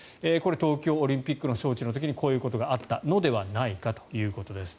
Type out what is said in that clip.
東京オリンピックの招致の時にこういうことがあったのではないかということです。